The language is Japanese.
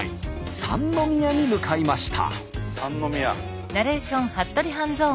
三宮に向かいました。